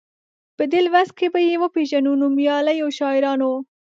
په دې لوست کې به یې وپيژنو نومیالیو شاعرانو.